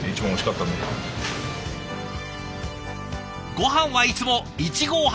ごはんはいつも１合半。